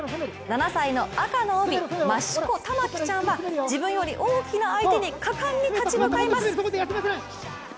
７番、赤の帯の益子珠季ちゃんは自分より大きな相手に果敢に立ち向かいます。